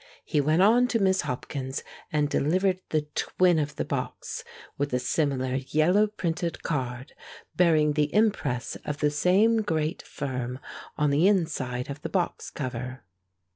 He went on to Miss Hopkins's, and delivered the twin of the box, with a similar yellow printed card bearing the impress of the same great firm on the inside of the box cover.